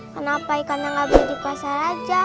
kenapa ikannya gak beli pasal aja